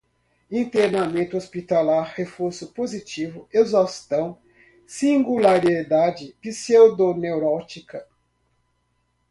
internamento hospitalar, reforço positivo, exaustão, singularidade, pseudoneurótica